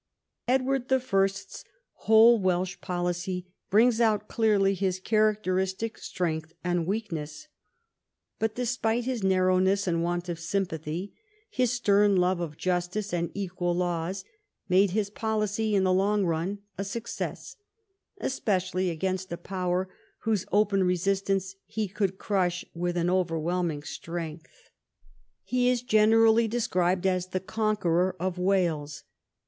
Edward I.'s whole Welsh policy brings out clearly his characteristic strength and weakness ; but despite his narrowness and want of sympathy, his stern love of justice and equal laws made his policy in the long run a success, especially against a power whose open resistance he could crush with an overwhelming; stren2;th. He is VI THE CONQUEST OF THE PRINCIPALITY 119 generally described as the conqueror of Wales.